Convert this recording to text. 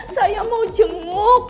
saya mau jenguk